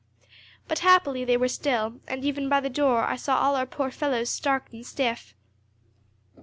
But happily they were still, and even by the door I saw all our poor fellows stark and stiff."